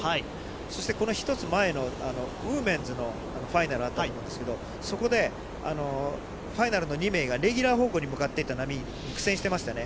そしてこの１つ前のウーメンズのファイナルあったと思うんですけど、そこでファイナルの２名がレギュラー方向に向かっていった波に苦戦していましたね。